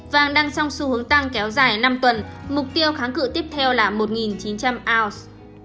vàng đang song xu hướng tăng kéo dài năm tuần mục tiêu kháng cự tiếp theo là một chín trăm linh ounce